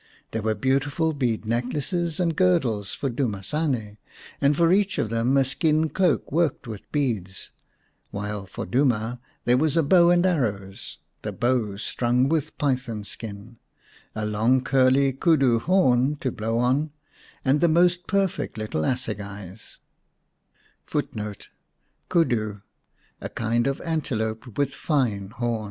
There were beautiful bead necklaces and girdles for Duma sane, and for each of them a skin cloak worked with beads, while for Duma there was a bow and arrows, the bow strung with python skin, a long curly koodoo 1 horn to blow on, and the most perfect little assegais.